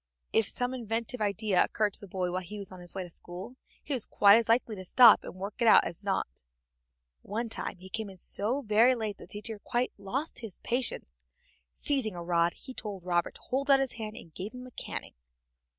If some inventive idea occurred to the boy while he was on his way to school, he was quite as likely to stop and work it out as not. One time he came in so very late that the teacher quite lost his patience. Seizing a rod he told Robert to hold out his hand, and gave him a caning.